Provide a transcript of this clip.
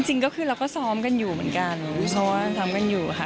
จริงก็คือเราก็ซ้อมกันอยู่เหมือนกันเพราะว่าซ้อมกันอยู่ค่ะ